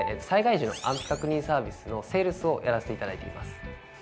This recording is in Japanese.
災害時の安否確認サービスのセールスをやらせていただいています